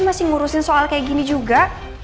masih ngurusin soal kayak gini juga